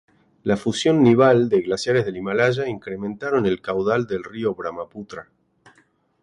La fusión nival de glaciares del Himalaya incrementaron el caudal del Río Brahmaputra.